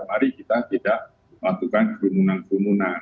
mari kita tidak melakukan kegumunan kegumunan